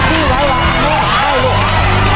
พระปักษมันก็วางแล้วลูก